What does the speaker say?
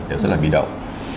đều rất là bị động